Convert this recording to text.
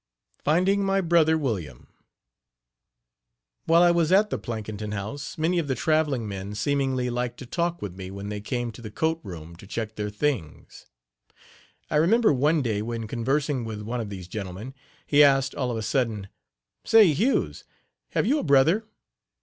FINDING MY BROTHER WILLIAM. While I was at the Plankinton House many of the traveling men seemingly liked to talk with me when they came to the coat room to check their things. I remember one day when conversing with one of these gentlemen, he asked, all of a sudden: "Say, Hughes, have you a brother?